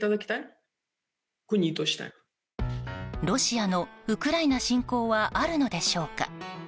ロシアのウクライナ侵攻はあるのでしょうか。